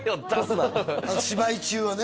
芝居中はね